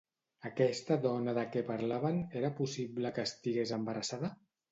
Aquesta dona de què parlaven, era possible que estigués embarassada?